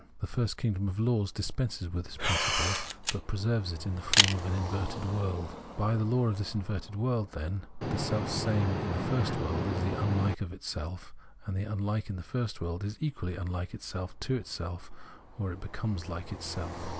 The first kingdom of laws dispenses with this principle, but preserves it in the form of an inverted world. By the law of this inverted world, then, the self same in the first world is the unhke of itself, and the unhke in the first is equally unlike . to itself, or it becomes like itself.